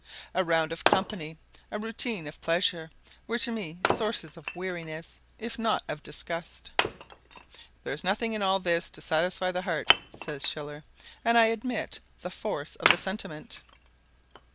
A round of company, a routine of pleasure, were to me sources of weariness, if not of disgust. "There's nothing in all this to satisfy the heart," says Schiller; and I admit the force of the sentiment.